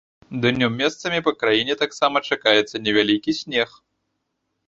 Днём месцамі па краіне таксама чакаецца невялікі снег.